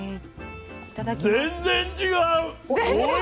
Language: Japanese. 全然違う。